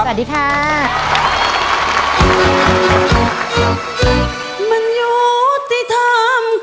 อืม